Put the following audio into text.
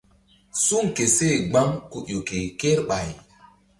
Suŋ ke seh gbam ku ƴo ke kerɓay.